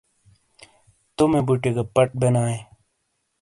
تومے بُٹئیے گہ پَٹ بینائیے۔